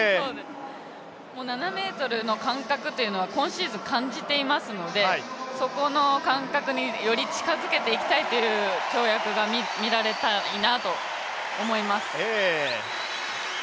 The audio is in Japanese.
７ｍの感覚というのは今シーズン感じていますので、そこの感覚により近づけていきたいという跳躍が見たいなと思います。